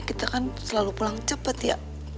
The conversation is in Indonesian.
kita kan selalu pulang cepat ya